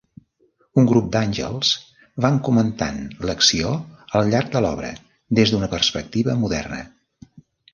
Un grup d'Àngels van comentant l'acció al llarg de l'obra des d'una perspectiva moderna.